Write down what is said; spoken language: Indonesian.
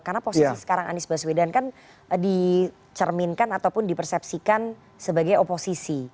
karena posisi sekarang anies baswedan kan dicerminkan ataupun di persepsikan sebagai oposisi